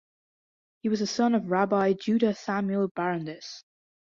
He was a son of Rabbi Judah Samuel Barondess.